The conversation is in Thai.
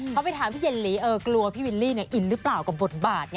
เขาไปถามพี่เย็นหลีเออกลัวพี่วิลลี่อินหรือเปล่ากับบทบาทไง